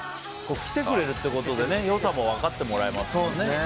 来てくれるっていうことで良さも分かってもらえますよね。